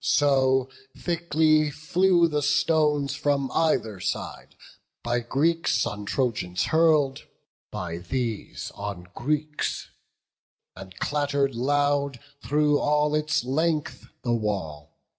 So thickly new the stones from either side, By Greeks on Trojans hurl'd, by these on Greeks; And clatter'd loud through all its length the wall.